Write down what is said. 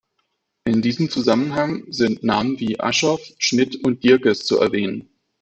In diesem Zusammenhang sind Namen wie Aschoff, Schmidt und Dierkes zu erwähnen.